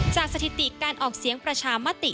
สถิติการออกเสียงประชามติ